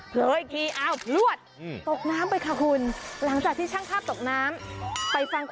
เดี๋ยวคุณชนะจะแปลให้ฟัง